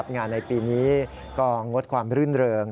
ในปีนี้ก็งดความรื่นเริง